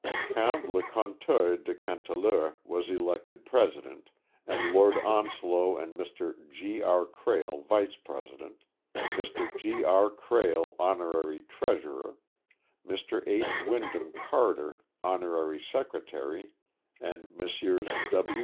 Count le Couteult de Canteleu was elected president, and Lord Onslow and Mr. G. R. Krehl, vice presidents; Mr. G. R. Krehl, honorary treasurer; Mr. H. Wyndham Carter, honorary secretary; and Messrs.